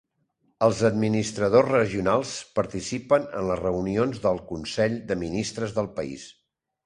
Els administradors regionals participen en les reunions del consell de ministres del país.